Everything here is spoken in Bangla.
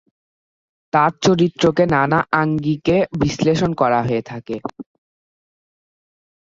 তার চরিত্রকে নানা আঙ্গিকে বিশ্লেষণ করা হয়ে থাকে।